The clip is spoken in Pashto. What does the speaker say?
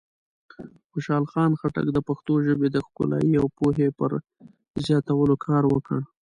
خوشحال خان خټک د پښتو ژبې د ښکلایۍ او پوهې پر زیاتولو کار وکړ.